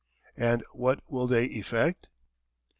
And what will they effect?